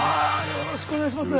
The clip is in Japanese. よろしくお願いします。